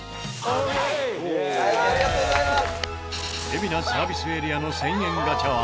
海老名サービスエリアの１０００円ガチャは。